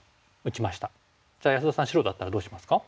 じゃあ安田さん白だったらどうしますか？